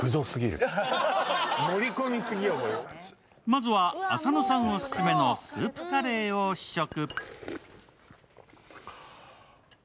まずは浅野さんオススメのスープカレーを試食。